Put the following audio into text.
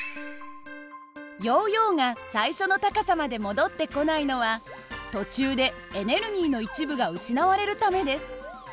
ヨーヨーが最初の高さまで戻ってこないのは途中でエネルギーの一部が失われるためです。